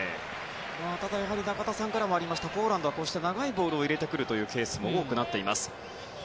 ただ、中田さんからもありましたがポーランドは長いボールを入れてくるケースも多くなっています。